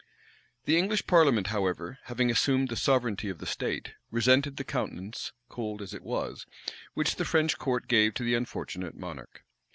The English parliament, however, having assumed the sovereignty of the state, resented the countenance, cold as it was, which the French court gave to the unfortunate monarch.